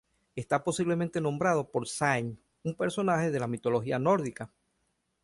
Está posiblemente nombrado por Signe, un personaje de la mitología nórdica.